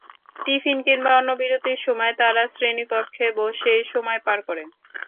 Tiffin কিংবা অন্য বিরতির সময় তারা শ্রেণিকক্ষে বসেই সময় পার করে।